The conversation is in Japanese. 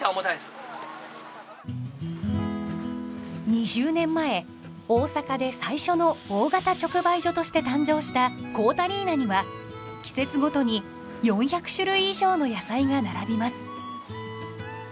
２０年前大阪で最初の大型直売所として誕生したこーたりなには季節ごとに４００種類以上の野菜が並びます。